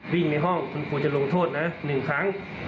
วิ่งในห้องคุณควรจะลงโทษนะ๑ครั้ง